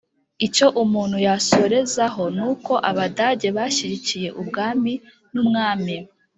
Icyo umuntu yasozerezaho ni uko Abadage bashyigikiye ubwami n'umwami,